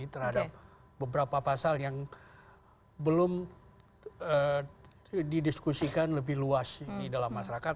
terhadap beberapa pasal yang belum didiskusikan lebih luas di dalam masyarakat